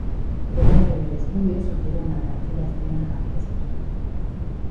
El aire del estudio sugiere una tranquila escena campestre.